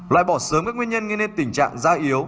loại bỏ sớm các nguyên nhân gây nên tình trạng da yếu